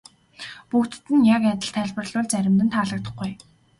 Бүгдэд нь яг адил тайлбарлавал заримд нь таалагдахгүй.